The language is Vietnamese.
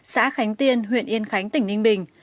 xã khánh tiên huyện yên khánh tỉnh ninh bình